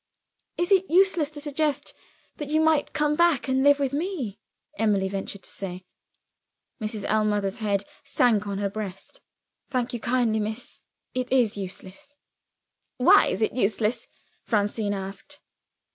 "Is it useless to suggest that you might come back, and live with me?" Emily ventured to say. Mrs. Ellmother's head sank on her breast. "Thank you kindly, miss; it is useless." "Why is it useless?" Francine asked.